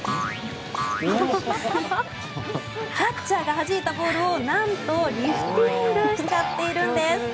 キャッチャーがはじいたボールをなんとリフティングしちゃっているんです。